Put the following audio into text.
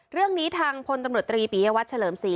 เรื่องนี้ทางธตมตรีปียวัตรเฉลมซี